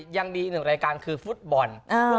ยังมีอีกหนึ่งรายการคือฟุตบอล